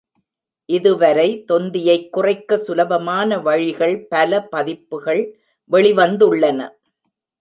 இதுவரை தொந்தியைக் குறைக்க சுலபமான வழிகள் பல பதிப்புகள் வெளிவந்துள்ளன.